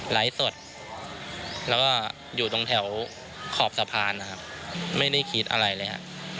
ไลฟ์สดแล้วก็อยู่ตรงแถวขอบสะพานนะครับไม่ได้คิดอะไรเลยฮะ